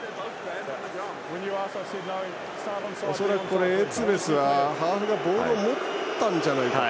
恐らくエツベスは、ハーフがボールを持ったんじゃないかと。